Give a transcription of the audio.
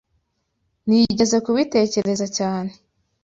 Nigeze kubitekereza cyane.